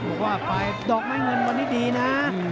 บอกว่าไปดอกไม้เงินวันนี้ดีนะ